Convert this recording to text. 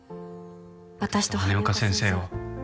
「私と羽根岡先生を」